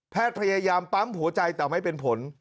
พยายามปั๊มหัวใจแต่ไม่เป็นผล